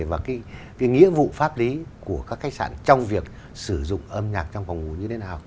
và cái nghĩa vụ pháp lý của các khách sạn trong việc sử dụng âm nhạc trong phòng ngủ như thế nào